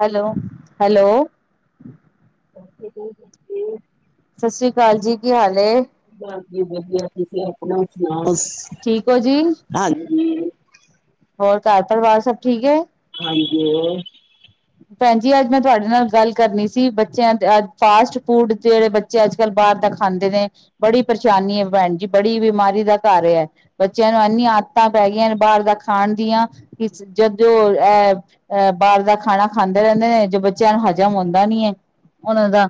Hello hello ਹਮ ਸਤਿ ਸ੍ਰੀ ਅਕਾਲ ਜੀ ਕੀ ਹਾਲ ਹ ਹਾਂਜੀ ਵਧੀਆ, ਤੁਸੀਂ ਆਪਣਾ ਸੁਣਾਓ। ਠੀਕ ਹੋ ਜੀ? ਹਾਂਜੀ। ਹੋਰ ਘਰ -ਪਰਿਵਾਰ ਸਭ ਠੀਕ ਹੈ। ਹਾਂਜੀ। ਭੈਣ ਜੀ ਅੱਜ ਮੈਂ ਤੁਹਾਡੇ ਨਾਲ ਗੱਲ ਕਰਨੀ ਸੀ, ਬੱਚਿਆਂ ਫਾਸਟ ਫੂਡ ਜਿਹੜੇ ਬੱਚੇ ਅੱਜ- ਕੱਲ੍ਹ ਬਾਹਰ ਦਾ ਖਾਂਦੇ ਨੇ, ਬੜੀ ਪਰੇਸ਼ਾਨੀ ਹੈ ਭੈਣ ਜੀ, ਬੜੀ ਬਿਮਾਰੀ ਦਾ ਘਰ ਹੈ ।ਬੱਚਿਆਂ ਨੂੰ ਇੰਨੀ ਆਦਤਾਂ ਪੈ ਗਈਆਂ ਨੇ ਬਾਹਰ ਦਾ ਖਾਣ ਦੀਆਂ ਕਿ, ਜਦ ਅਹ ਬਾਹਰ ਦਾ ਖਾਣਾ ਖਾਂਦੇ ਰਹਿੰਦੇ ਨੇ, ਜੋ ਬੱਚਿਆਂ ਨੂੰ ਹਜ਼ਮ ਆਂਦਾ ਨੀ ਹੈ ਉਹਣ ਦਾ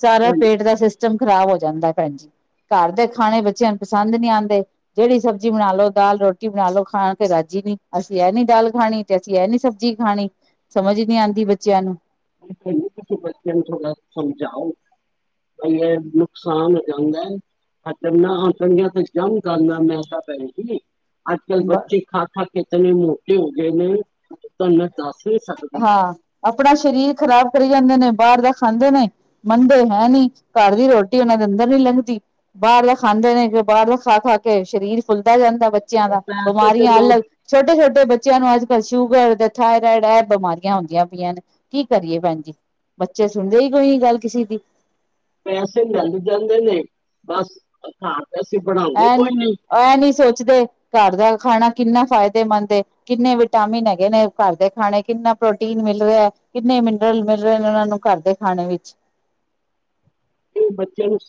ਸਾਰਾ ਹਾਂਜੀ ਪੇਟ ਦਾ ਸਿਸਟ ਸਿਸਮ ਖ਼ਰਾਬ ਹੋ ਜਾਂਦਾ ਭੈਣ ਜੀ, ਘਰ ਦੇ ਖਾਣੇ ਬੱਚਿਆਂ ਨੂੰ ਪਸੰਦ ਨਹੀਂ ਆਉਂਦੇ ਜਿਹੜੀ ਸਬਜ਼ੀ ਬਣਾ ਲਓ ਦਾਲ ਰੋਟੀ ਬਣਾ ਲ ਲੋ ਖਾਣ ਕੇ ਰਾਜੀ ਨੀ ਅਸੀਂ ਇਹ ਨੀ ਦਾਲ ਖਾਣੀ ਤੇ ਅਸੀਂ ਇਹ ਨੀ ਸਬਜ਼ੀ ਖਾਣੀ ਸਮਝ ਨਹੀਂ ਆਉਂਦੀ ਬੱਚਿਆਂ ਨੂੰ। ਤੁਸੀਂ ਬੱਚੇ ਨੂੰ ਥੋੜ੍ਹਾ ਸਮਝਾਓ, ਬਈ ਇਹ ਨੁਕਸਾਨ ਹੋ ਜਾਂਦਾ ਹਟਣੀਆਂ ਤੇ ਜੰਮ ਕਰਨਾ ਮੈਂ ਤਾਂ ਭੈ ਜ ਆਜ- ਕੱਲ ਬ ਬੱਚੇ ਖਾ ਖਾ ਕੇਤਨ ਮੋਟੇ ਹੋ ਗਏ ਨੇ ਧੰਨ ਤਾਂ [inaudible] ਹਾਂ, ਆਪਣਾ ਸਰੀਰ ਖ਼ਰਾਬ ਕਰੀ ਜਾਂਦੇ ਨੇ ਬਾਹਰ ਦਾ ਖਾਂਦੇ ਨੇ, ਮੰਨਦੇ ਹੈ ਨੀ ਘਰ ਦੀ ਰੋਟੀ ਉਹਨਾਂ ਦੇ ਅੰਦਰ ਨੀ ਲੰਘਦੀ। ਬਾਰਲਾ ਖਾਂਦੇ ਨੇ ਕਿਓਂ ਬਾਰਲਾ ਖਾ -ਖਾ ਕੇ, ਸਰੀਰ ਫੁੱਲਦਾ ਜਾਂਦਾ। ਬੱਚਿਆਂ ਉਹ ਦਾ, ਪੈਸੇ ਤੇ ਬਿਮਾਰੀਆਂ ਮੈਂ ਅਲੱਗ ਛੋਟੇ -ਛੋਟੇ ਬੱਚਿਆਂ ਨੂੰ ਅੱਜ ਸ਼ੂਗਰ ਤੇ ਥਾਏਰਡ ਐ ਬਿਮਾਰੀਆਂ ਹੁੰਦੀਆਂ ਪਈਆਂ ਨੇ, ਕੀ ਕਰੀਏ ਭੈਣ ਜੀ ਬੱਚੇ ਸੁਣਦੇ ਈ ਕੋਈ ਨੀ ਗੱਲ ਕਿਸੀ ਦੀ। ਪੈਸੇ ਲੈ ਜਾਂਦੇ ਨੇ ਬਸ ਅ ਘਾਰ ਐਨੀ ਐ ਨਈ ਸੋਚਦੇ ਘਰ ਦਾ ਖਾਣਾ ਕਿੰਨਾ ਫਾਇਦੇਮੰਦ ਏ, ਕਿੰਨੇ ਵਿਟਾਮਿਨ ਹੈਗੇ ਨੇ ਘਰ ਦੇ ਖਾਣੇ ਕਿੰਨਾ ਪ੍ਰੋਟੀਨ ਮਿਲ ਰਿਐ, ਕਿੰਨੇ ਮਿਨਰਲ ਮਿਲ ਰੇ ਨੇ ਔਨਾਂ ਨੂੰ ਘਰ ਦੇ ਖਾਣੇ ਵਿੱਚ। ਕੀ ਬੱਚਿਆਂ ਨੂੰ ਸ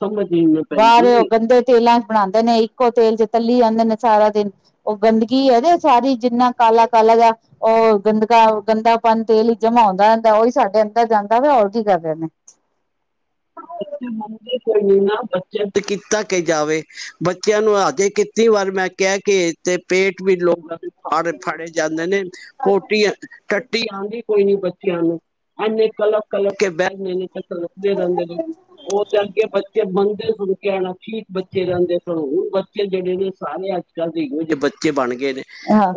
ਬਾਰ ਔ ਗੰਦੇ ਤੇਲਾਂ ਚ ਬਣਾਦੇ ਨੇ, ਇੱਕੋ ਤੇਲ ਜਿ਼ ਤੱਲੀ ਜਾਂਦੇ ਨੇ ਸਾਰਾ ਦਿਨ ਔ ਗੰਦਗੀ ਹੋਜੇ ਸਾਰੀ ਜਿੰਨਾ ਕਾਲਾ -ਕਾਲਾ ਜਾ ਔ ਗੰਦਗਾ ਗੰਦਾਪਨ ਤੇਲ ਈਚ ਜਮਾ ਹੂੰਦਾ ਰੈੰਦਾ, ਓਈ ਸਾਡੇ ਅੰਦਰ ਜਾਂਦਾ ਵੇ ਹੋਰ ਕੀ ਕਰ ਰੇ ਨੇ। ਬੱਚੇ ਮੰਨਦੇ ਕੋਈ ਨੀ ਨਾ, ਬੱਚਿਆਂ ਤੇ ਕੀਤਾ ਕੇ ਜਾਵੇ, ਬੱਚਿਆਂ ਨੂੰ ਹਜੇ ਕਿੱਤੀ ਵਾਰ ਮੈਂ ਕਿਐ ਕੇ ਤੇ ਪੇਟ ਵੀ ਲੋਕਾਂ ਹੜ ਫੜੇ ਜਾਂਦੇ ਨੇ ਪੋਟੀਅਂ ਟੱਟੀ ਆਂਦੀ ਕੋਈ ਨੀ ਬੱਚੀਆ ਨੂੰ, ਅਨੇ ਕਲਪ ਕਲਪ ਕੇ ਬੈ ਣੇ ਨਈ ਤਾ ਰੋਕਦੇ ਰੈਂਦੇ ਨੇ। ਔ ਤੇ ਅਗੇ ਬੱਚੇ [inaudible] ਬੰਦੇ ਸੁਣਕੇ ਆਣਾ ਠੀਕ ਬੱਚੇ ਰੈੰਦੇ ਸਨ, ਹੁਣ ਬੱਚੇ ਜੇੜੇ ਨੇ ਸਾਰੇ ਅੱਜ -ਕੱਲ੍ਹ ਦੇ ਇਹੋ ਜੇ ਬੱਚੇ ਬਣ ਗ ਅਹਾਂ,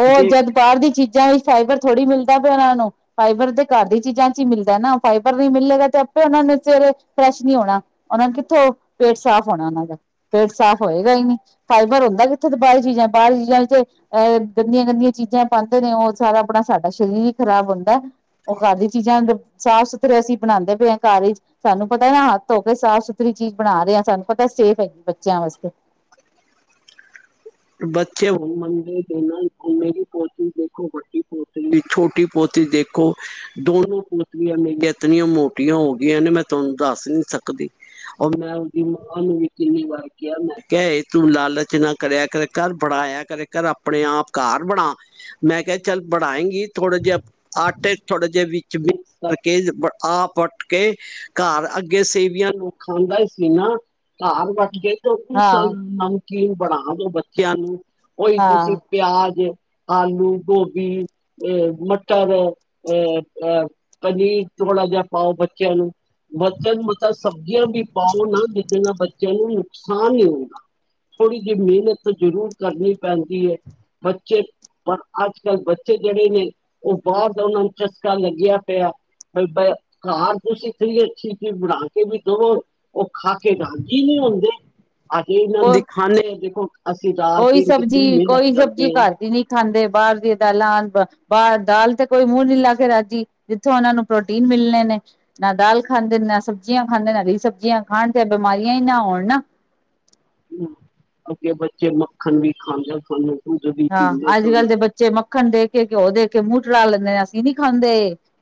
ਔ ਜਦ ਬਾਰ ਦੀ ਚੀਜ਼ਾਂ ਈ ਫਾਈਬਰ ਥੋੜ੍ਹੀ ਮਿਲਦਾ ਪਿਆ ਔਨਾਂ ਨੂੰ, ਫਾਈਬਰ ਤੇ ਘਰ ਦੀ ਚੀਜ਼ਾਂ ਚ ਹੀ ਮਿਲਦੈ ਨਾ ਫਾਈਬਰ ਨੀ ਮਿਲੇਗਾ ਤੇ ਆਪੇ ਔਨਾਂ ਨੂੰ ਸਵੇਰੇ ਫਰੈਸ਼ ਨੀ ਹੋਣਾ, ਔਨਾਂ ਨੂੰ ਕਿੱਥੋਂ ਪੇਟ ਸਾਫ਼ ਹੋਣਾ ਔਨਾਂ ਦਾ, ਪੇਟ ਸਾਫ਼ ਹੋਏਗਾ ਈ ਨੀ। ਫਾਈਬਰ ਹੁੰਦਾ ਕਿੱਥੇ ਤੇ ਬਾਰੀ ਚੀਜ਼ਾਂ ਬਾਰੀ ਚੀਜ਼ਾਂ ਦੀ ਤੇ ਔ ਏ ਗੰਦੀਆਂ ਗੰਦੀਆਂ ਚੀਜ਼ਾਂ ਪਾਂਦੇ ਨੇ, ਔ ਸਾਰਾ ਅਪਣਾ ਸਾਡਾ ਸਰੀਰ ਈ ਖ਼ਰਾਬ ਹੁੰਦਾ, ਔ ਘਰ ਦੀ ਚੀਜ਼ਾਂ ਦ ਸਾਫ਼ ਸੁਥਰੇ ਅਸੀਂ ਬਣਾਂਦੇ ਪੇ ਆਂ ਘਰ ਈਚ ਸਾਨੂੰ ਪਤੈ ਨਾ ਹੱਥ ਧੋ ਕੇ ਸਾਫ਼ ਸੁਥਰੀ ਚੀਜ਼ ਬਣਾ ਰੇ ਆਂ, ਸਾਨੂੰ ਪਤਾ ਸੇਫ ਹੈਗੀ ਬੱਚਿਆਂ ਵਸਤੇ। ਬੱਚੇ ਹੋਣ ਮੰਨਦੇ ਤੇਨਾ ਮੇਰੀ ਪੋਤੀ ਦੇਖੋ, ਵੱਡੀ ਪੋਤਰੀ ਛੋਟੀ ਪੋਤ੍ਰੀ ਦੇਖੋ ਦੋਨੋ ਪੋਤੀਆਂ ਮੇਰੀਆਂ ਇਤਨੀਆਂ ਮੋਟੀਆਂ ਹੋ ਗੀਆਂ ਨੇ, ਮੈਂ ਤੁਵਾਨੂੰ ਦੱਸ ਨੀ ਸਕਦੀ, ਔਰ ਮੈਂ ਉਦੀ ਮਾਂ ਨੂੰ ਵੀ ਕਿੰਨੀ ਵਾਰ ਕਿਐ ਮੈਂ ਕਿਆ ਏ ਤੂੰ ਲਾਲਚ ਨਾ ਕਰਆ ਕਰ। ਕਰ ਬੜਾਯਾ ਕਰੇ ਕਰ ਅਪਣੇ ਆਪ ਘਾਰ ਬਣਾ, ਮੈਂ ਕਿਆ ਚੱਲ ਬਣਾਏਂਗੀ ਥੋੜੇ ਜੇਆ ਆਟੇ ਚ ਥੋੜੇ ਜੇ ਵਿੱਚ ਮਿਸ ਕਰਕੇ ਆਪ ਵੱਟ ਕੇ ਘਰ ਅੱਗੇ ਸੇਵੀਆਂ ਨੂੰ ਖਾਂਦਾ ਈ ਸੀ, ਘਾਰ ਵੱਟ ਕੇ। ਰੋਟੀ ਸਵਾਦ ਹਾਂ ਬਣਾਈ। ਕਿ ਇਨ ਬਨਾ ਦੇਵਾਂ। ਕਿਆ ਨੂੰ ਓਹੀ ਤੁਸੀਂ ਹਾਂ ਪਿਆਜ ਆਲੂ ਗੋਭੀ ਏ ਮਟਰ ਅਹ ਅਹ ਪਨੀਰ ਥੋੜ੍ਹਾ ਜਾ ਪਾਓ ਬੱਚਿਆਂ ਨੂੰ ਬੱਚਿਆਂ ਨੂੰ ਮਤਾ ਸਬਜ਼ੀਆਂ ਵੀ ਪਾਓ ਨਾ ਜਿਦੇ ਨਾਲ ਬੱਚਿਆਂ ਨੂੰ ਨੁਕਸਾਨ ਨੀ ਹੋਊਗਾ, ਥੋੜ੍ਹੀ ਜੀ ਮਿਹਨਤ ਤੇ ਜ਼ਰੂਰ ਕਰਨੀ ਪੈਂਦੀ ਏ, ਬੱਚੇ ਪਰ ਅੱਜ-ਕੱਲ ਬੱਚੇ ਜੇੜੇ ਨੇ ਔ ਬਾਰ ਦਾ ਔਨਾ ਨੂੰ ਚਸਕਾ ਲੱਗਆ ਪਯੈ, ਬ ਬ ਕਾਰ ਤੁਸੀਂ ਇਤਨੀ ਅੱਛੀ ਚੀਜ਼ ਬਣਾ ਕੇ ਵੀ ਦਵੋ ਔ ਖਾ ਕੇ ਰਾਜੀ ਈ ਨੀ ਹੁੰਦੇ। ਅਜ ਏਨਾਂ ਨੂੰ ਉਹ ਦਿਖਾਣੇ ਏਦੇ ਕੋਲ ਕੋਈ ਸਬਜੀ ਕੋਈ ਸਬਜ਼ੀ ਹਾਂ ਘਰ ਦੀ ਨੀ ਖਾਂਦੇ। ਬਾਰ ਦੀਆਂ ਦਾਲਾਂ ਆਨ ਬ ਬਾਰ ਦਾਲ ਤੇ ਕੋਈ ਮੂੰਹ ਨੀ ਲਾ ਕੇ ਰਾਜੀ ਜਿੱਥੋਂ ਔਨਾਂ ਨੂੰ ਪ੍ਰੋਟੀਨ ਮਿਲਣੇ ਨੇ, ਨਾ ਦਾਲ ਖਾਂਦੇ ਨੇ ਨਾ ਸਬਜ਼ੀਆਂ ਖਾਂਦੇ ਨੇ, ਹਰੀ ਸਬਜ਼ੀਆਂ ਖਾਣ ਤੇ ਬਿਮਾਰੀਆਂ ਹੀ ਨਾ ਹੋਣ ਨਾ। ਹੂੰ, ਅੱਗੇ ਬੱਚੇ ਮੱਖਣ ਵੀ ਖਾਂਦੇ ਸਨ। ਦੁੱਧ ਵੀ ਪੀਂਦੇ ਹਾਂ, ਸਨ ਅੱਜ-ਕੱਲ ਦੇ ਬੱਚੇ ਮੱਖਣ ਦੇ ਕੇ ਘਿਓ ਦੇ ਕੇ ਮੂੰਹ ਚੜਾ ਲੈਂਦੇ ਆਂ, ਅਸੀਂ ਨੀ ਖਾਂਦੇ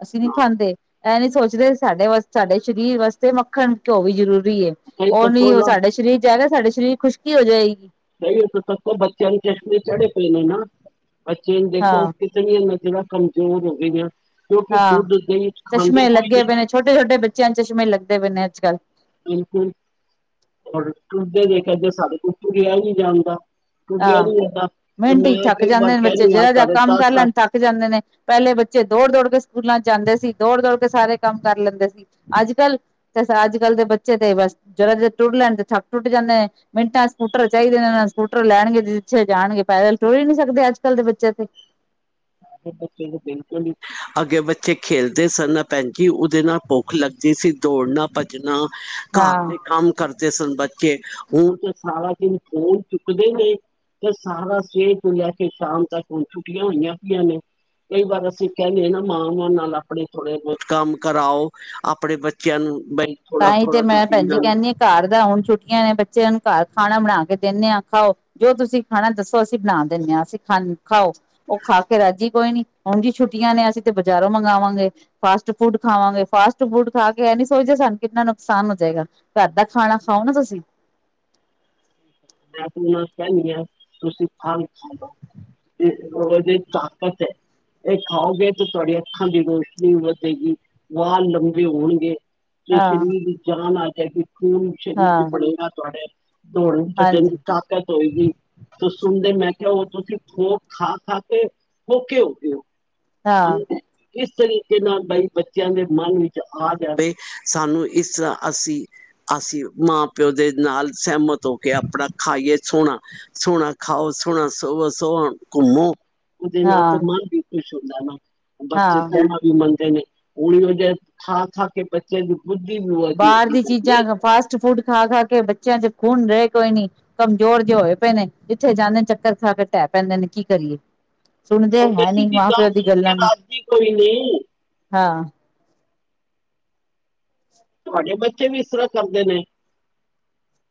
ਅਸੀਂ ਨੀ ਹਾਂ ਖਾਂਦੇ ਇਹ ਨੀ ਸੋਚ ਸਾਡੇ ਵਾਸ ਸਾਡੇ ਸਰੀਰ ਵਾਸਤੇ ਮੱਖਣ ਘਿਓ ਵੀ ਜ਼ਰੂਰ ਏ ਕਈ ਉਹ ਨੀ ਤੱਕੋ ਉਹ ਨਾ ਸਾਡਾ ਸਰੀਰ ਚਦਾ ਸਾਡੇ ਸ਼ਰੀਰ ਖੁਸ਼ਕੀ ਹੋ ਜਾਏਗੀ ਕਹੀ ਸਤ ਬੱਚਿਆਂ ਇੰ ਟਸ ਚੜੇ ਕੋਈ ਨੇ ਨਾ ਅੱਚੀ ਦੇਖੋ ਹਾਂ ਕਿਤਨੀ ਹੈ ਮ ਜਿਹੜਾ ਕਮਜ਼ੋਰ ਹੋਵੇ ਗਿਆ ਹਾਂ ਚਸ਼ਮੇ ਕੋਈ ਲੱਗੇ ਨਹੀਂ ਪਏ ਨੇ ਛੋਟੇ ਛੋਟੇ ਬੱਚਿਆਂ ਚਸ਼ਮੇ ਲੱਗਦੇ ਪਏ ਨੇ ਅੱਜ ਕੱਲ੍ਹ ਬਿਲਕੁਲਰ ਤੁਡੇ ਦੇਖ ਜ ਸਾਡੇ ਕੋਲ ਰਿਹਾ ਨਹੀਂੀ ਜਾਂਦਾ ਤੁਰਿਆ ਆਹ ਨੀ ਜਾਂਦਾ ਤੇ ਮਿੰਟ ਹੀ ਮੈਂ ਥੱਕ ਕਈ ਵਾਰ ਜਾਂਦੇ ਨੇ ਬੱਚੇ ਕਹਿਣੀ ਆ ਜਿਹੜਾ ਜਿਹਾ ਸਾਡੇ ਕੰਮ ਕਰ ਦਸ ਸਾਲ ਲੈਣ ਥੱਕ ਜਾਂਦੇ ਨੇ ਪਹਿਲੇ ਬੱਚੇ ਦੌੜ ਦੌੜ ਕੇ ਸਕੂਲਾਂ ਚ ਜਾਂਦੇ ਸੀ ਦੌੜ ਦੌੜ ਕੇ ਸਾਰੇ ਕੰਮ ਕਰ ਲੈਂਦੇ ਸੀ ਅੱਜ ਕੱਲ ਤੇ ਅੱਜ ਕੱਲ ਦੇ ਬੱਚੇ ਤੇ ਬਸ ਜਰਾ ਜ ਟੁੱਟ ਲੈਣ ਤੇ ਥੱਕ ਟੁੱਟ ਜਾਂਦੇ ਮਿੰਟਾਂ ਸਕੂਟਰ ਚਾਹੀਦੇ ਨੇ ਸਕੂਟਰ ਟਰ ਲੈਣਗੇ ਤੇ ਜਿੱਥੇ ਜਾਣਗੇ ਪੈਦਲ ਤੋਰੀ ਹੀ ਨੀ ਸਕਦੇ ਅੱਜ ਕੱਲ ਦੇ ਬੱਚੇ ਤੇ ਬੱਚੇ ਨੂੰ ਬਿਲਕੁਲ ਅੱਗੇ ਬੱਚੇ ਖੇਲਦੇ ਸਨ ਕਿ ਉਹਦੇ ਨਾਲ ਭੁੱਖ ਲੱਗਦੀ ਸੀ ਦੌੜਨਾ ਭੱਜਣਾ ਹਾਂ ਘਰ ਦੇ ਕੰਮ ਕਰ ਬੱਚੇ ਹੁਣ ਤਾਂ ਸਾਰਾ ਦਿਨ ਫਣ ਚੁੱਕਦੇ ਨੇ ਤੇ ਸਾਰਾ ਸਵੇਰ ਤੋਂ ਲੈ ਕੇ ਸ਼ਾਮ ਤੱਕ ਹੁਣ ਛੁੱਟੀਆਂ ਹੋਈਆਂ ਨੇ ਕਈ ਵਾਰ ਅਸੀਂ ਕਹਿੰਦੇ ਹ ਨਾ ਮਾਂਵਾਂ ਨਾਲ ਆਪਣੇ ਥੋੜੇ ਬਹੁਤ ਕੰਮ ਕਰਾਓ ਆਪਣੇ ਬੱਚਿਆਂ ਨੂੰ ਬਈ ਥੋੜਾ ਤਾਂਹੀ ਤੇ ਥੋੜਾ ਮੈਂ ਤੁਸੀਂ ਭੈਣ ਜੀ ਇਹਨਾਂ ਨੂੰ ਕਹਿੰਦੀ ਆ ਘਰ ਦਾ ਹੁਣ ਛੁੱਟੀਆਂ ਨੇ ਬ ਬੱਚੇ ਅਨ ਘ ਖਾਣਾ ਬਣਾ ਕੇ ਦਿੰਦੇ ਹਾਂ ਖਾਓ ਜੋ ਤੁਸੀਂ ਖਾਣਾ ਦੱਸੋ ਅਸੀਂ ਬਣਾ ਦਿੰਦੇ ਹਾਂ ਅਸੀਂ ਖਾ ਖਾਓ ਉਹ ਖਾ ਕੇ ਰਾਜੀ ਕੋਈ ਨੀ ਹੁਣ ਜੀ ਛੁੱਟੀਆਂ ਨੇ ਅਸੀਂ ਤੇ ਬਜ਼ਾਰੋਂ ਮੰਗਵਾਵਾਂਗੇ ਫਾਸਟ ਫੂਡ ਖਾਵਾਂਗੇ ਫਾਸਟ ਫੂਡ ਖਾ ਕੇ ਇਹ ਨੀ ਸੋਚਦੇ ਸਾਨੂੰ ਕਿੰਨਾ ਨੁਕਸਾਨ ਹੋ ਜਾਏਗਾ ਫ ਅੱਧਾ ਖਾਣਾ ਖਾਓ ਨਾ ਤੁਸੀਂ ਮੈਂ ਤ ਨਾਲ ਕਹਿਦੀ ਹਾਂ ਤੁਸੀਂ ਖਲ ਖਾ ਲਓ ਤੇ ਉਹ ਜ ਤਾਕਤ ਹੈ ਇਹ ਖਾਓਗੇ ਤੇ ਤੁਹਾਡੀੀਆਂ ਅੱਖਾਂ ਦੀ ਰੋਸ਼ਨੀ ਵਧੇਗੀ ਵਾਹ ਲੰਬੇ ਹੋਣਗੇ ਤੇ ਹਾਂ ਸਰੀਰ ਦੀ ਜਾਨ ਆ ਇਹ ਸਕੂਨ ਸ਼ਰੀਰ ਚ ਹਾਂ ਬੜੇਗਾ ਤੁਹਾਡੇ ਦੋ ਜੂੰ ਹਾਂਜੀ ਤਾਕਤ ਹੋਏਗੀ ਤੇ ਸੁਣਦੇ ਮੈਂ ਕਿਹਾ ਉਹ ਤੁਸੀਂ ਓਹ ਖਾ ਖਾ ਕੇ ਔਖੇ ਹੋ ਗਏ ਹੋ ਹਾਂ ਬਣ ਏਹ ਇਸ ਤਰੀਕੇ ਨਾਲ ਬਾਈ ਬੱਚਿਆਂ ਦੇ ਮਨ ਵਿੱਚ ਆ ਜਾਵੇ ਸਾਨੂੰ ਇਸ ਤਰ੍ਹਾਂ ਅਸੀਂ ਅਸੀਂ ਮਾਂ ਪਿਓ ਦੇ ਨਾਲ ਸਹਿਮਤ ਹੋ ਕੇ ਆਪਣਾ ਖਾਈਏ ਸੋਣਾ ਸੋਣਾ ਖਾਓ ਸੋਣਾ ਸੋਵੋ ਸੋਣਾ ਘੁੰਮੋ ਉਹਦੇ ਲਤ ਹਾਂ ਨਾਲ ਬੀਪੀ ਸ਼ਦਾ ਨਾ ਬੱਚੇ ਹਾਂ ਕਹਿਣਾ ਵੀ ਮਨਦੇ ਉ ਜਦ ਖਾ ਖਾ ਕੇ ਬੱਚੇ ਬੁੱਧੀ ਵੀ ਉਹਦੀ ਬਾਹਰ ਹੁੰਦੀ ਦੀ ਪਈ ਚੀਜ਼ਾਂ ਫਾਸਟ ਫੂਡ ਖਾ ਖਾ ਕੇ ਬੱਚਿਆਂ ਚ ਖੂਨ ਰਹੇ ਕੋਈ ਨੀ ਕਮਜ਼ੋਰ ਜੇ ਹੋਏ ਪਏ ਨੇ ਜਿੱਥੇ ਜਾਂਦੇ ਚੱਕਰ ਖਾ ਕੇ ਢਹਿ ਪੈਂਦੇ ਨੇ ਕੀ ਕਰੀਏ ਸੁਣਦੇ ਉਹ ਹੈ ਕਸੀ ਨੀ ਦੀ ਮਾਂ ਗੱਲ ਪਿਓ ਸੁਣ ਕੇ ਗੱਲਾਂ ਨੂੰ ਰਾਜੀ ਕੋਈ ਨਹੀਂ। ਹਾਂ। ਤੁਹਾਡੇ ਬੱਚੇ ਵੀ ਇਸ ਤਰ੍ਹਾਂ ਕਰਦੇ ਨੇ।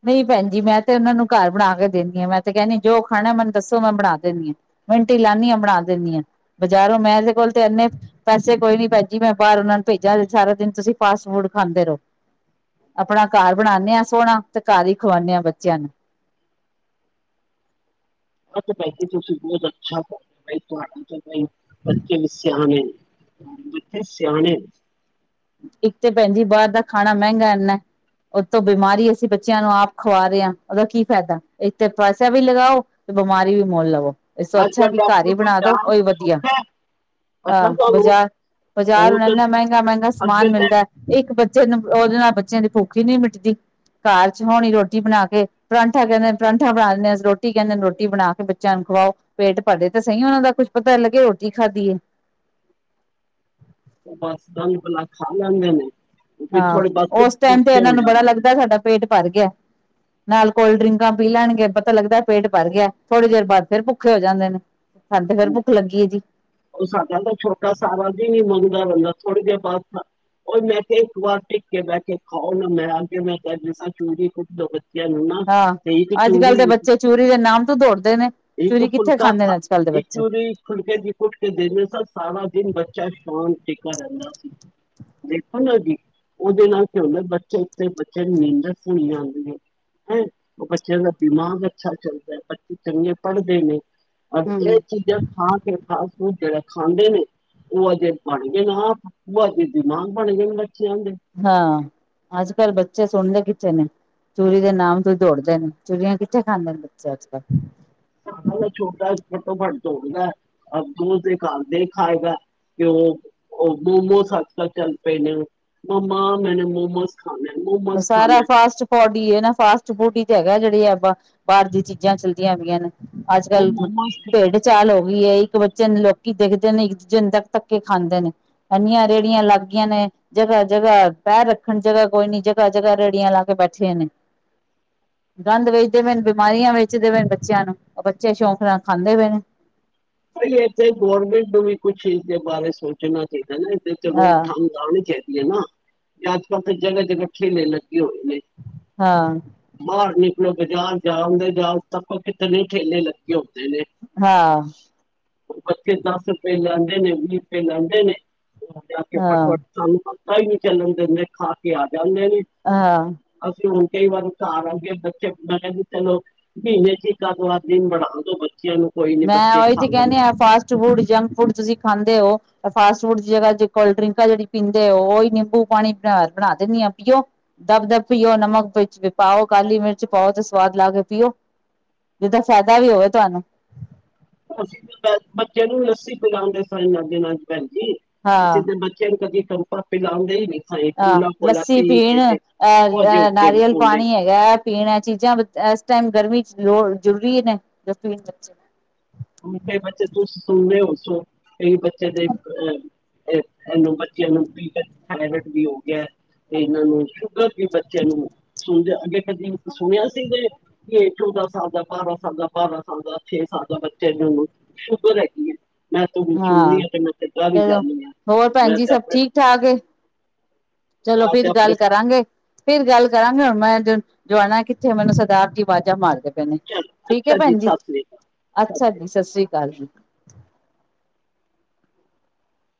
ਨਹੀਂ ਭੈਣਜੀ ਮੈਂ ਤੇ ਉਹਨਾਂ ਨੂੰ ਘਰ ਬਣਾ ਕੇ ਦਿੰਦੀ ਹਾਂ ਮੈਂ ਤੇ ਕਹਿਣੀ ਜੋ ਖਾਣਾ ਮੈਨੂੰ ਦੱਸੋ ਮੈਂ ਬਣਾ ਦਿੰਦੀ ਹਾਂ ਮਿੰਟੀ ਲਾਣੀ ਹਾਂ ਬਣਾ ਦਿੰਦੀ ਹਾਂ ਬਜ਼ਾਰੋਂ ਮੈਂ ਇਹਦੇ ਕੋਲ ਤੇ ਇੰਨੇ ਪੈਸੇ ਕੋਈ ਨੀ ਭੈਣ ਜੀ ਮੈਂ ਬਾਹਰ ਉਹਨਾਂ ਨੂੰ ਭੇਜਾ ਸਾਰਾ ਦਿਨ ਤੁਸੀਂ ਫਾਸਟ ਫੂਡ ਖਾਂਦੇ ਰਹੋ ਆਪਣਾ ਘਰ ਬਣਾਉਣੇ ਆ ਸੋਹਣਾ। ਤੇ ਘਰ ਖਵਾਉਣੇ ਹਾਂ ਬੱਚਿਆਂ ਨੂੰ। ਅੱਛਾ ਭੈਣ ਜੀ ਤੁਸੀਂ ਬਹੁਤ ਅੱਛਾ ਖਵਾਉਣੇ ਹੋ ਤੁਹਾਡੀ ਤੇ ਭਾਈ ਬੱਚੇ ਵੀ ਸਿਆਣੇ ਨੇ। ਬੱਚੇ ਸਿਆਣੇ ਨੇ। ਇੱਕ ਤੇ ਭੈਣ ਜੀ ਬਾਹਰ ਦਾ ਖਾਣਾ ਮਹਿੰਗਾ ਇੰਨਾ ਉਹ ਤੋਂ ਬਿਮਾਰੀ ਅਸੀਂ ਬੱਚਿਆਂ ਨੂੰ ਆਪ ਖਵਾ ਰਹੇ ਹਾਂ ਉਹਦਾ ਕੀ ਫਾਇਦਾ ਇੱਕ ਤੇ ਪੈਸਾ ਵੀ ਲਗਾਓ ਤੇ ਬਿਮਾਰੀ ਵੀ ਮੁੱਲ ਲਵੋ। ਇਸ ਤੋਂ ਅੱਜ ਅੱਛਾ ਕੱਲ ਕਿ ਘਰ ਡਾਕਟਰ ਹੀ ਕੋਲ ਬਣਾ ਦੋ ਜਾਣਾ ਉਹੀ ਕੋਈ ਵਧੀਆ ਸੌਖਾ ਹੈ ਆ ਪਤਾ ਤੁਹਾਨੂੰ ਬਾਜ਼ਾਰ ਬਜ਼ਾਰ ਉਹ ਹੁਣ ਤਾਂ ਇਨਾ ਮਹਿੰਗਾ ਮਹਿੰਗਾ। ਅੱਗੇ ਸਮਾਨ ਤਾਂ ਮਿਲਦਾ ਇੱਕ ਬੱਚੇ। ਬੱਚੇ ਨੂੰ ਉਹਦੇ ਨਾਲ ਬੱਚਿਆਂ ਦੀ ਭੁੱਖੀ ਨੀ ਮਿਟਦੀ ਘਰ ਚ ਹੋਣੀ ਰੋਟੀ ਬਣਾ ਕੇ ਪਰਾਂਠਾ ਕਹਿੰਦੇ ਪਰਾਂਠਾ ਬਣਾ ਦਿੰਨੇ ਰੋਟੀ ਕਹਿੰਦੇ ਰੋਟੀ ਬਣਾ ਕੇ ਬੱਚਿਆਂ ਨੂੰ ਖਵਾਓ ਪੇਟ ਭਰੇ ਤੇ ਸਹੀ ਉਹਨਾਂ ਦਾ ਕੁੱਝ ਪਤਾ ਲੱਗੇ ਰੋਟੀ ਖਾਧੀ ਹੈ। ਬਸ ਗੰਦ ਬਲਾ ਖਾ ਲੈਂਦੇ ਨੇ। ਫਿਰ ਹਾਂ ਥੋੜੇ ਬਸ ਫਿਰ ਉਸ ਟਾਈਮ ਤੇ ਭੁੱਖੇ ਇਹਨਾਂ ਹੋ ਨੂੰ ਬੜਾ ਜਾਂਦੇ ਨੇ ਲੱਗਦਾ ਸਾਡਾ ਪੇਟ। ਭਰ ਗਿਆ ਨਾਲ ਕੋਲਡ ਡਰਿੰਕਾਂ ਪੀ ਲੈਣਗੇ ਪਤਾ ਲੱਗਦਾ ਪੇਟ ਭਰ ਗਿਆ ਥੋੜੀ ਦੇਰ ਬਾਅਦ ਫਿਰ ਭੁੱਖੇ ਹੋ ਜਾਂਦੇ ਨੇ। ਸਾਨੂੰ ਤੇ ਫੇਰ ਉਹ- ਭੁੱਖ ਲੱਗੀ ਹੈ ਜੀ। ਉਹ ਸਾਡਾ ਨਾ ਛੋਟਾ ਸਾਰਾ ਦਿਨ ਹੀ ਮੰਗਦਾ ਰਹਿੰਦਾ ਥੋੜੇ ਦੇਰ ਬਾਅਦ ਉਹ ਮੈਂ ਕਿਹਾ ਇੱਕ ਵਾਰ ਟਿੱਕ ਕੇ ਬਹਿ ਕੇ ਖਾਓ ਮੈਂ ਆ ਕੇ ਮੈਂ ਕਿਹਾ ਚੂਰੀ ਕੁੱਟ ਦੋ ਬਚੇ ਹਾਂ ਅੱਜ ਕੱਲ੍ਹ ਦੇ ਬੱਚੇ ਚੂਰੀ ਦੇ ਨਾਮ ਤੋਂ ਦੌੜਦੇ ਨੇ ਚੂਰੀ ਕਿੱਥੇ ਖਾਂਦੇ ਨੇ ਅੱਜ ਕੱਲ ਦੇ ਬੱਚੇ। ਕੁੱਟ ਕੇ ਦਿੰਦੇ ਸਾ ਸਾਰਾ ਦਿਨ ਬੱਚਾ ਸ਼ਾਂਤ ਟਕਿਆ ਰਹਿੰਦਾ ਸੀ। ਦੇਖੋ ਨਾ ਜੀ ਉਹਦੇ ਨਾਲ ਕਿਂ ਹੁੰਦਾ ਬੱਚੇ ਉਤੇ ਬੱਚਿਆਂ ਨੂੰ ਨੀਂਦਰ ਪੂਰੀ ਆਉਦੀ ਹੈ ਉਹ ਬੱਚਿਆਂ ਦਾ ਦਿਮਾਗ ਅੱਛਾ ਚੱਲਦਾ ਹੈ ਬੱਚੇ ਚੰਗੇ ਪੜ੍ਹਦੇ ਨੇ। ਔਰ ਹਮ ਇਹ ਚੀਜ਼ਾਂ ਖਾ ਕੇ ਤਾਂ। ਉਹ ਜਿਹੜਾ ਖਾਂਦੇ ਨੇ ਉਹ ਅਜੇ ਬਣ ਗਏ ਨੇ ਆਪ ਉਹੇ ਜਿਹੇ ਦਿਮਾਗ ਬਣ ਗਏ ਨੇ। ਬੱਚਿਆਂ ਦੇ ਹਾਂ ਅੱਜ ਕੱਲ੍ਹ ਬੱਚੇ ਸੁਣਦੇ ਕਿੱਥੇ। ਬੱਚਿਆਂ ਨੇ ਚੂਰੀ ਦੇ ਨਾਮ ਤੋਂ ਦੌੜਦੇ ਨੇ ਚੂਰੀਆਂ ਕਿੱਥੇ ਖਾਂਦੇ ਨੇ ਬੱਚੇ ਅੱਜ ਕੱਲ। ਹਲੇ ਛੋਟਾ ਘੱਟੋ ਘੱਟ ਦੋੜਦਾ ਆ ਔਰ ਤੂੰ ਤਾਂ ਘਰ ਦੇ ਖਾਏ ਗਾ ਕਿ ਉਹ ਉਹ ਮੋਮੋਸ ਅੱਜ ਕੱਲ ਚੱਲ ਪਏ ਨੇ ਮੰਮਾ ਮੈਨੇ ਮੋਮੋਸ ਆ ਸਾਰਾ ਫਾਸਟ ਪੋਡੀ ਹੈ ਨਾ ਫਾਸਟ। ਚਪੋਟੀ ਤੇ ਹੈਗਾ ਜਿਹੜੀ ਆਪਾਂ ਬਾਹਰ ਦੀਆਂ ਚੀਜ਼ਾਂ ਚੱਲਦੀਆਂ ਹੋਈਆਂ ਨੇ। ਅੱਜ ਕੱਲ ਭੇੜ ਚਾਲ ਹੋ ਗਈ ਏ ਇੱਕ ਬੱਚੇ ਨੂੰ ਲੋਕੀ ਦੇਖਦੇ ਨੇ ਇੰਝਣ ਤੱਕ ਧੱਕੇ ਖਾਂਦੇ ਨੇ ਇੰਨੀਆਂ ਰੇਹੜੀਆਂ ਲੱਗ ਗਈਆਂ ਨੇ ਜਗ੍ਹਾ ਜਗ੍ਹਾ ਪੈਰ ਰੱਖਣ ਜਗ੍ਹਾ ਕੋਈ ਨੀ। ਜਗ੍ਹਾ ਜਗ੍ਹਾ ਰੜੀਆਂ ਲਾ ਕੇ ਬੈਠੇ ਨੇ। ਗੰਦ ਵੇਚਦੇ ਪਏ ਨੇ ਬਿਮਾਰੀਆਂ ਵੇਚਦੇ ਪਏ ਬੱਚਿਆਂ ਨੂੰ ਉਹ ਬੱਚੇ ਸ਼ੌਕ ਨਾਲ ਖਾਂਦੇ ਪਏ ਨੇ। ਭਾਈ ਇੱਥੇ ਗੌਰਮੈਂਟ ਨੂੰ ਵੀ ਕੁਛ ਇਸ ਦੇ ਬਾਰੇ ਸੋਚਣਾ ਚਾਹੀਦਾ ਨਾ ਇੱਥੇ ਚਲੋ ਹਾਂ ਠੰਗ ਆਉਣਗੇ। ਨਾ ਤੇ ਅੱਜ ਕੱਲ ਤਾਂ ਜਗਾ ਜਗਾ ਠੇਲੇ ਲੱਗੇ ਲੱਗੇ ਹੋਏ ਨੇ ਹਾਂ ਬਾਹਰ ਆਪ ਬਾਜ਼ਾਰ ਜਾਓ ਨਾ ਜਾਓ ਤੱਕ ਕਿਤਨ ਠੇਲੇ ਲੱਗੇ ਹਾਂ। ਉਹ ਬੱਚੇ ਦਸ ਰੁਪਏ ਲੈਂਦੇ ਨੇ ਵੀਹ ਰੁਪਏ ਲੈਂਦੇ ਨੇ ਹਾਂ ਫਟਫਟ [unintelligible] ਤਾਈ ਨੂੰ ਚੱਲਣ ਦਿੰਦੇ ਖਾ ਕੇ ਆ ਚੱਲਦੇ ਜੀ ਹਾਂ ਅਸੀਂ ਹੁਣ ਕਈ ਵਾਰੀ ਘਰ ਆ ਗਏ ਬੱਚੇ ਮੈਂ ਕਹਿੰਦੀ ਚਲੋ ਮਹੀਨੇ ਚ ਹੀ ਇਕ ਆਦ ਦਿਨ ਬਣਾ ਦੋ। ਬੱਚਿਆਂ ਨੂੰ ਕੋਈ ਨੀ ਬੱਚੇ ਲੈਣ ਕਹਿੰਦੇ ਆ ਫਾਸਟ ਫੂਡ ਜੰਕ ਫੂਡ ਤੁਸੀਂ ਖਾਂਦੇ ਹੋ ਫਾਸਟ ਫੂਡ ਦੀ ਜਗ੍ਹਾ ਕੋਲਡ ਡਰਿੰਕਾਂ ਜਿਹੜੀ ਪੀਂਦੇ ਹੋ ਉਹਹੀ ਨਿੰਬੂ ਪਾਣੀ ਬਣਾ ਦਿੰਦੀ ਹ ਪੀਓ ਦੱਬ ਦਬ ਪੀਓ ਨਮਕ ਪਾਓ ਕਾਲੀ ਮਿਰਚ ਪਾਓ ਤੇ ਸਵਾਦ ਲਾ ਕੇ ਪੀਓ ਜਿਦਾ ਫਾਇਦਾ ਵੀ ਹੋਵੇ ਤੁਹਾਨੂੰ। ਅਸੀ ਤੇ ਬੱਚਿਆਂ ਨੂੰ ਲੱਸੀ ਪਲਾਦੇ ਪਾਏ ਦਿਨੋਂ ਦਿਨ। ਜੀ ਹਾਂ ਜਿੱਦਾਂ ਬੱਚਿਆਂ ਨੂੰ ਕਦੇ ਕੈਂਪਾਂ ਪਿਲਾਦੇ ਹੀ ਨੀ ਹਾਂ ਲੱਸੀ ਪੀਣ ਉਹ ਜੇ ਹੋ ਅਹ ਗਏ ਨੇ ਨਾਰੀਅਲ ਕੋਲੇ ਪਾਣੀ ਹੈਗਾ ਪੀਣ ਚੀਜ਼ਾਂ ਟਾਈਮ ਗਰਮੀ ਚ ਲੋ ਜ਼ਰੂਰੀ ਹੈ। [unintelligible] ਕਈ ਬੱਚੇ ਦੇ ਅਹ ਇਹਨੂੰ ਬੱਚਿਆਂ ਨੂੰ ਥਾਣੇ ਪ ਵੀ ਹੋ ਗਿਆ ਤੇ ਇਹਨਾਂ ਨੂੰ ਸ਼ੂਗਰ ਵੀ ਬੱਚੇ ਨੂੰ ਅੱਗੇ ਕਦੀ ਸੁਣਿਆ ਸੀ ਕੀ ਚੌਦਾਂ ਸਾਲ ਦਾ ਬਾਰਾਂ ਸਾਲ ਦਾ ਬਾਰਾਂ ਸਾਲ ਦਾ ਛੇ ਸਾਲ ਦਾ ਬੱਚਾ ਨੂੰ ਸ਼ੁਗਰ ਹੈਗੀ ਹੈ। ਮੈਂ ਤੁਹਾਨੂੰ ਸੁਣਨੀ ਹਾਂ ਆ ਤੇ ਮੈਂ ਤੇ ਡਰ ਹੀ ਚਲੋ ਜਾਂਦੀ ਹਾਂ। ਹੋਰ ਭੈਣ ਮੈਂ ਜੀ ਤੇ ਸਭ ਆਪਣੇ ਠੀਕ ਠਾਕ ਚਲੋ ਮੈਂ ਤੇ ਫਿਰ ਗੱਲ ਆਪਣੇ ਕਰਾਂਗੇ ਫਿਰ ਗੱਲ ਕਰਾਂਗੇ ਹੁਣ ਮੈਂ ਜਾਣਾ ਕਿੱਥੇ ਮੈਨੂੰ ਸਰਦਾਰ ਜੀ ਆਵਾਜ਼ਾ ਮਾਰਦੇ ਚੱਲ ਠੀਕ ਹੈ ਅੱਛਾ ਭੈਣ ਜੀ ਸਤਿ ਸ੍ਰੀ ਅਕਾਲ ਸਤਿ ਸ੍ਰੀ ਅੱਛਾ ਅਕਾਲ। ਜੀ ਸਤਿ ਸ੍ਰੀ ਅਕਾਲ ਜੀ